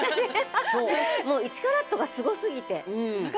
もう１カラットがすごすぎて。